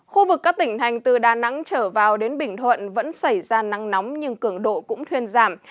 khu vực các tỉnh thành từ đà nẵng trở vào đến bình thuận vẫn xảy ra nắng nóng nhưng cường độ cũng thuyên giảm